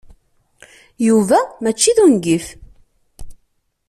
Yuba mačči d ungif.